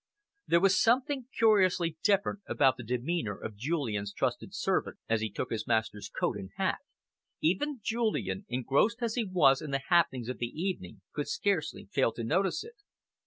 There was something curiously different about the demeanour of Julian's trusted servant, as he took his master's coat and hat. Even Julian, engrossed as he was in the happenings of the evening, could scarcely fail to notice it.